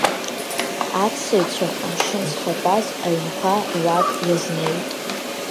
Аӡсаҩцәа амшын зхатәаз аҩнқәа руак иазнеит.